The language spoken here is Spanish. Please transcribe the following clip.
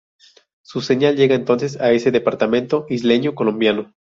Su señal llega entonces a ese departamento isleño colombiano.